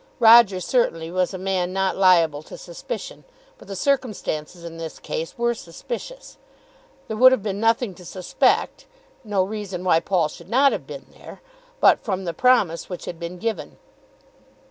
Roger certainly was a man not liable to suspicion, but the circumstances in this case were suspicious. There would have been nothing to suspect, no reason why Paul should not have been there, but from the promise which had been given.